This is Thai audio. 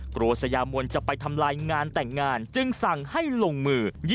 สยามวลจะไปทำลายงานแต่งงานจึงสั่งให้ลงมือ